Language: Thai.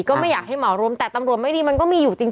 ก็ไม่อยากให้เหมารวมแต่ตำรวจไม่ดีมันก็มีอยู่จริง